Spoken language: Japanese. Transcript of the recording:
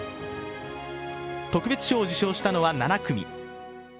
特別賞を受賞したのは７組。